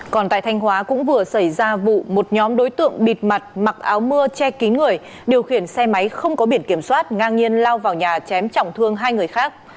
còn tại thanh hóa cũng vừa xảy ra vụ một nhóm đối tượng bịt mặt mặc áo mưa che kín người điều khiển xe máy không có biển kiểm soát ngang nhiên lao vào nhà chém trọng thương hai người khác